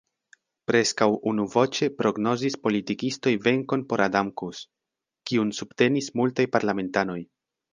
Preskaŭ unuvoĉe prognozis politikistoj venkon por Adamkus, kiun subtenis multaj parlamentanoj.